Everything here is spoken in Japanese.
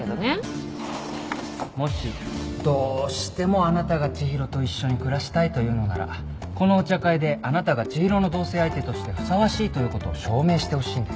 もしどしてもあなたが知博と一緒に暮らしたいというのならこのお茶会であなたが知博の同棲相手としてふさわしいということを証明してほしいんです